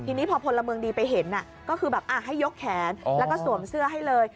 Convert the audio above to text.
ทีนี้พอพลเมืองดีไปเห็นก็คือแบบให้ยกแขนแล้วก็สวมเสื้อให้เลย